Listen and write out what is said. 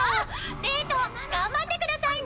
デート頑張ってくださいね。